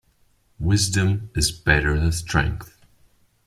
Wisdom is better than strength.